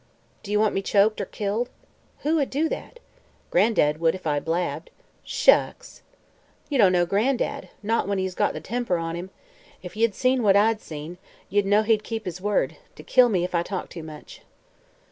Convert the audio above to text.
"Do ye want me choked, or killed?" "Who would do that?" "Gran'dad would, if I blabbed." "Shucks!" "Ye don't know Gran'dad not when he's got the temper on him. If ye'd seen what I seen, ye'd know that he'd keep his word 'to, kill me if I talk too much."